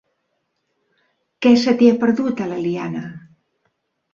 Què se t'hi ha perdut, a l'Eliana?